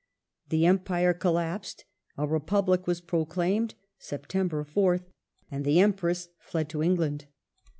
The Empire collapsed ; a Republic was proclaimed (Sept. 4th), and the Empress fled to England.